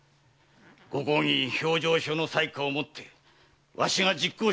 御公儀評定所の裁可をもってわしが実行したまでのこと。